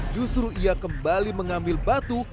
justru ia kembali mengambil batu